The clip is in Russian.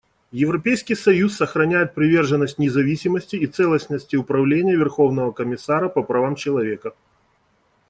Европейский союз сохраняет приверженность независимости и целостности Управления Верховного комиссара по правам человека.